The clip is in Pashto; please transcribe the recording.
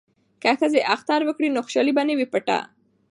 که ښځې اختر وکړي نو خوشحالي به نه وي پټه.